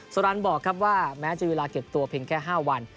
สรรค์บอกครับว่าแม้จะมีเวลาเก็บตัวเพียงแค่๕วัน